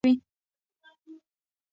پوست نیم لیټر اوبه له لاسه ورکوي.